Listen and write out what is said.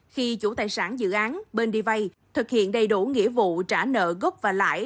khi chủ tài sản dự án bên đi vay thực hiện đầy đủ nghĩa vụ trả nợ gốc và lãi